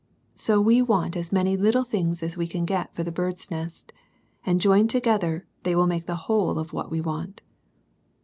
So we want as many little things as we can get for the " Bird's Nest," and joined together, they will make the whole of what we want.